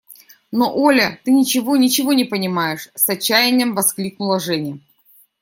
– Но, Оля, ты ничего, ничего не понимаешь! – с отчаянием воскликнула Женя.